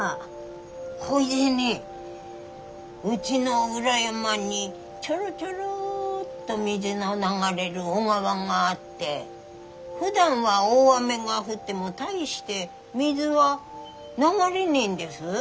ほいでねうちの裏山にちょろちょろっと水の流れる小川があってふだんは大雨が降っても大して水は流れねえんです。